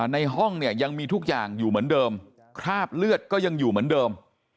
ในห้องเนี่ยยังมีทุกอย่างอยู่เหมือนเดิมคราบเลือดก็ยังอยู่เหมือนเดิม